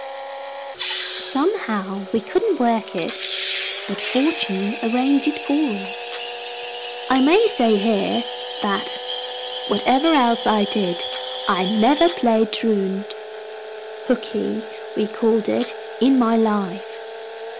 Somehow, we couldn't work it; but fortune arranged it for us. I may say here, that, whatever else I did, I never played truant ("hookey" we called it) in my life.